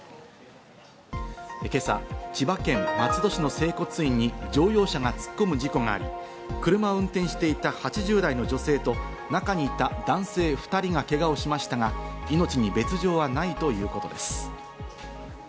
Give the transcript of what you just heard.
今朝、千葉県松戸市の整骨院に乗用車が突っ込む事故があり、車を運転していた８０代の女性と中にいた男性２人がけがをしましたが、命に別条はないということです。